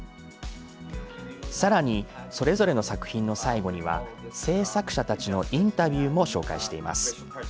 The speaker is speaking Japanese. さらにそれぞれの作品の最後には制作者たちのインタビューも紹介しています。